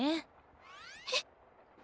えっ？